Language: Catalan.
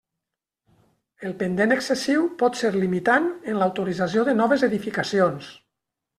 El pendent excessiu pot ser limitant en l'autorització de noves edificacions.